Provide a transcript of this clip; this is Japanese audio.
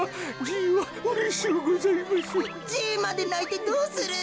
じいまでないてどうする。